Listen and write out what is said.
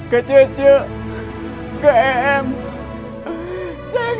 saya tidak bisa berhenti